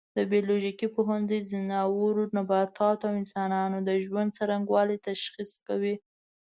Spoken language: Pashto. د بیولوژي پوهنځی د ځناورو، نباتاتو او انسانانو د ژوند څرنګوالی تشریح کوي.